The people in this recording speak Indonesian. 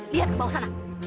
lihat ke bawah sana